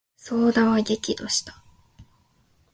左右田は激怒した。